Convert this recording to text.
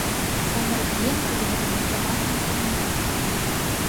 Самырык еҥ тудын дене тыматлын саламлалте.